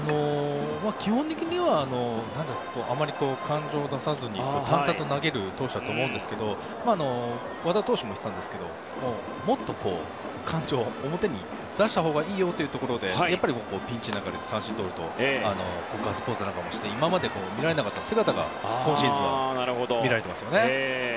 基本的にはあまり感情を出さずに淡々と投げる投手だと思うんですけど和田投手も言っていたんですけどもっと感情を表に出したほうがいいよというところでピンチの中で三振をとるとガッツポーズなんかもして今まで見られなかった姿が今シーズンは見られていますね。